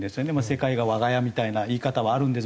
「世界が我が家」みたいな言い方はあるんです